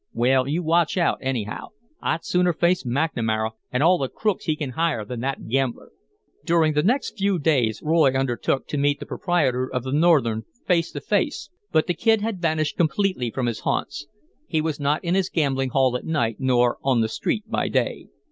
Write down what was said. "Well, you watch out, anyhow. I'd sooner face McNamara an' all the crooks he can hire than that gambler." During the next few days Roy undertook to meet the proprietor of the Northern face to face, but the Kid had vanished completely from his haunts. He was not in his gambling hall at night nor on the street by day.